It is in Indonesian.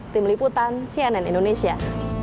tim liputan cnn indonesia